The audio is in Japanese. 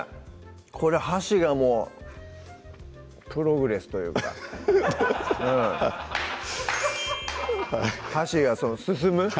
これ箸がもうプログレスというか箸が進む？